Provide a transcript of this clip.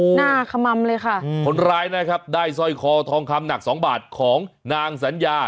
หน้าขมัมเลยค่ะอืมคนร้ายนะครับได้สร้อยคอทองคำหนักสองบาทของนางสัญญา